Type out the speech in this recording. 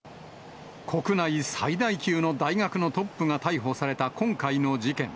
国内最大級の大学のトップが逮捕された今回の事件。